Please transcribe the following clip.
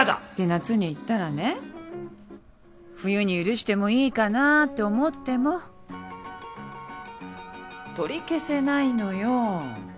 って夏に言ったらね冬に許してもいいかなって思っても取り消せないのよ。